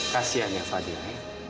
kasian ya fadil